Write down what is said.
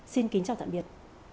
xin kính chào tạm biệt